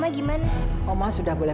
kalian asing masalah veh